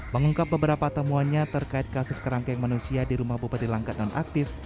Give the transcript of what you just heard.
mengungkap beberapa temuannya terkait kasus kerangkeng manusia di rumah bupati langkat nonaktif